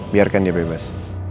biarkan dia bebas